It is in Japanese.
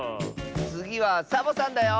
つぎはサボさんだよ。